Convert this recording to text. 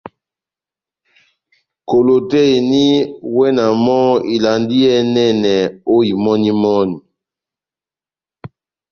Kolo tɛ́h eni, iwɛ na mɔ́ ivalandi iyɛ́nɛ ó imɔni-imɔni.